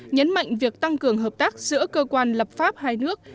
nhấn mạnh việc tăng cường hợp tác giữa cơ quan lập pháp hai nước